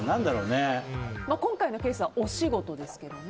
今回のケースはお仕事ですけどね。